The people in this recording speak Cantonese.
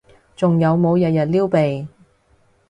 仲有冇日日撩鼻？